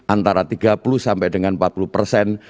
antara tiga puluh sampai dengan empat puluh persen